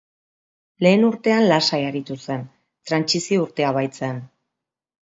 Lehen urtean lasai aritu zen, trantsizio urtea baitzen.